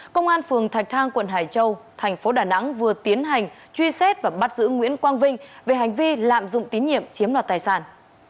công an phường thạch thang quận hải châu thành phố đà nẵng vừa tiến hành truy xét và bắt giữ nguyễn quang vinh về hành vi lạm dụng tín nhiệm chiếm đoạt tài sản